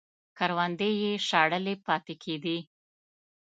کروندې یې شاړې پاتې کېدې